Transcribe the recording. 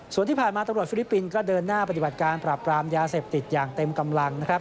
ส่วนที่ผ่านมาตำรวจฟิลิปปินส์ก็เดินหน้าปฏิบัติการปราบปรามยาเสพติดอย่างเต็มกำลังนะครับ